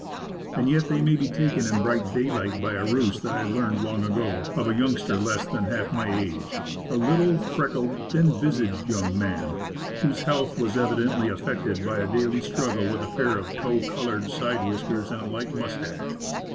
And yet, they may be taken in bright daylight by a ruse that I learned long ago, of a youngster less than half my age, a little, freckled, thin visaged young man, whose health was evidently affected by a daily struggle with a pair of tow colored side whiskers and a light moustache.